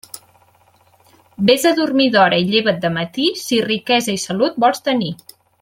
Vés a dormir d'hora i lleva't de matí si riquesa i salut vols tenir.